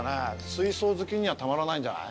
水槽好きにはたまらないんじゃない？